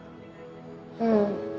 うん。